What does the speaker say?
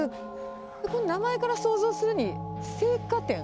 この名前から想像するに、青果店。